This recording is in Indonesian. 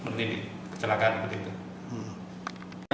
jadi kita harus melakukan penyelidikan seperti itu